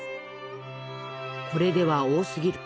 「これでは多すぎる。